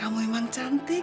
kamu memang cantik